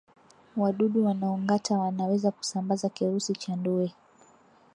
Wadudu wanaongata wanaweza kusambaza kirusi cha ndui